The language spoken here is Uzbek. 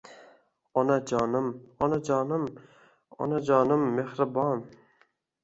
Onajonim Onajonim Onajonim mexribon